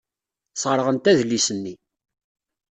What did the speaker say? Sserɣent adlis-nni.